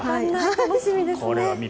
楽しみですね。